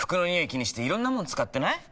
気にしていろんなもの使ってない？